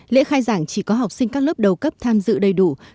lễ khai giảng chỉ có học sinh các lớp đầu cấp tham dự đầy đủ